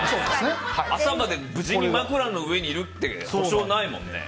朝まで無事に枕の上にいる保証はないもんね。